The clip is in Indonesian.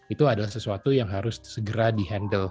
itu adalah sesuatu yang harus segera di handle